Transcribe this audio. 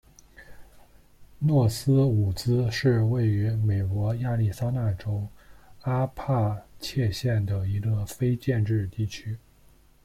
诺斯伍兹是位于美国亚利桑那州阿帕契县的一个非建制地区。